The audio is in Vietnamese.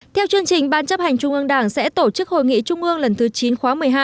theo chương trình ban chấp hành trung ương đảng sẽ tổ chức hội nghị trung ương lần thứ chín khóa một mươi hai